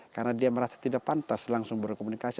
karena dia merasa tidak pantas langsung berkomunikasi